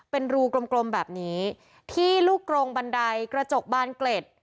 เป็นรูกลมแบบนี้ที่ลูกกรงบันไดกระจกบานเกล็ด